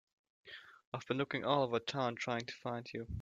I've been looking all over town trying to find you.